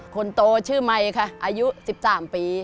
คนโตชื่อไมค์ค่ะอายุ๑๓ปี